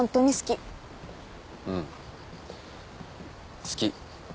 うん好き。